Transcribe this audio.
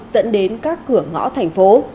dẫn đến các cửa ngõ thành phố